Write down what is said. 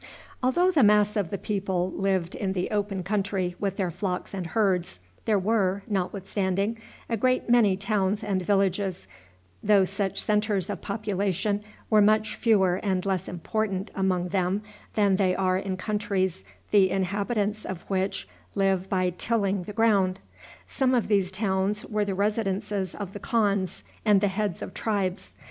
Although the mass of the people lived in the open country with their flocks and herds, there were, notwithstanding, a great many towns and villages, though such centres of population were much fewer and less important among them than they are in countries the inhabitants of which live by tilling the ground. Some of these towns were the residences of the khans and of the heads of tribes.